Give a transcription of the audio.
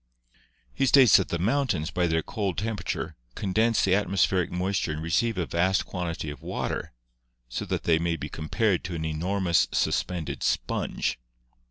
He states that the mountains, by their cold temperature, condense the atmospheric moisture and receive a vast quantity of water, so that they may be compared to an enormous suspended sponge.